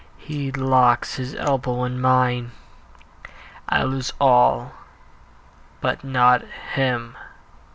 He locks his elbow in mine, I lose all but not him.